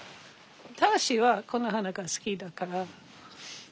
正はこの花が好きだから。